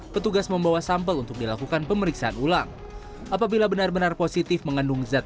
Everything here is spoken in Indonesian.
petugas membawa sampel untuk dilakukan pemeriksaan ulang apabila benar benar positif mengandung zat